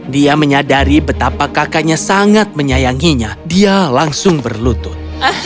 dia menyadari betapa kakaknya sangat menyayanginya dia langsung berlutut